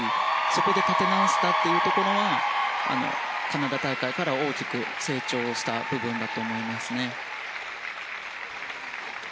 そこで立て直したというところはカナダ大会から大きく成長した部分だと思いますね。